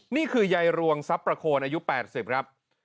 นี่คือยายรวงทรัพย์ประโคนอายุ๘๐ครับ